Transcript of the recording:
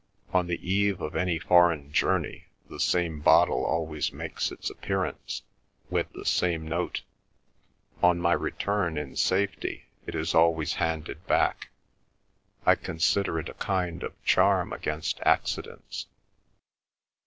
On the eve of any foreign journey the same bottle always makes its appearance, with the same note; on my return in safety it is always handed back. I consider it a kind of charm against accidents.